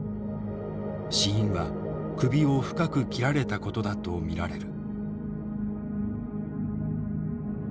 死因は首を深く切られたことだと見られる。